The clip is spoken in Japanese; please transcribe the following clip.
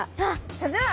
それでは。